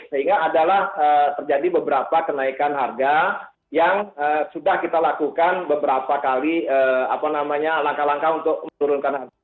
sehingga adalah terjadi beberapa kenaikan harga yang sudah kita lakukan beberapa kali langkah langkah untuk menurunkan harga